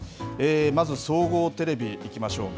まず、総合テレビいきましょうね。